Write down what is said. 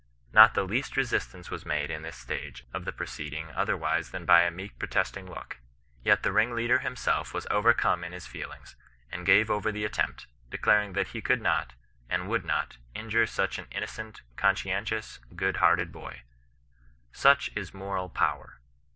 Not the least resistance was made in this stage of the pro ceeding otherwise than by a meek protesting look ; yet the ringleader himself was overcome in his feelings, and gave over the attempt, declaring that he could not, and would not, injure such an innocent, conscientious, good hearted boy. Such is moral power.